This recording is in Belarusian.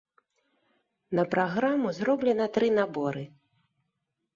На праграму зроблена тры наборы.